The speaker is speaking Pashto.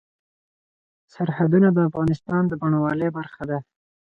سرحدونه د افغانستان د بڼوالۍ برخه ده.